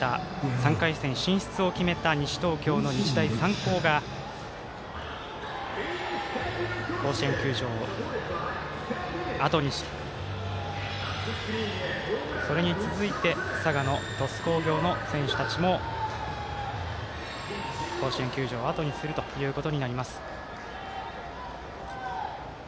３回戦進出を決めた西東京、日大三高が甲子園球場をあとにして、それに続いて佐賀、鳥栖工業の選手たちも甲子園球場をあとにするということになります。